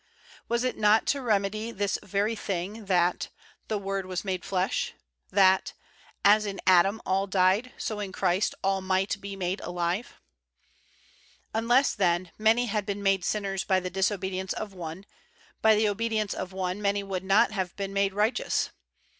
Was it not to rem edy this very thing that "the Word was made flesh I" that "as in Adam all died, so in Christ all might be made alive?" Unless, then, many had been made sinners by the disobedience of one, by the obedience of one many would not have been made righteous.